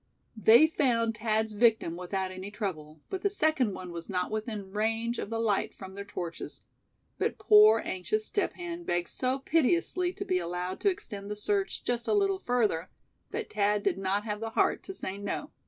They found Thad's victim without any trouble, but the second one was not within range of the light from their torches. But poor anxious Step Hen begged so piteously to be allowed to extend the search "just a little further," that Thad did not have the heart to say no.